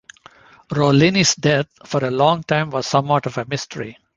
Rollini's death for a long time was somewhat of a mystery.